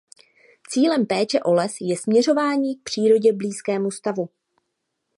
Cílem péče o les je směřování k přírodě blízkému stavu.